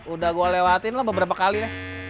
udah gue lewatin lah beberapa kali ya